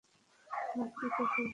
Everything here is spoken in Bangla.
মাছ কি টোপ গিলছে?